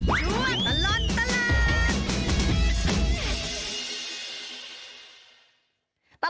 ช่วงตลอดตลาด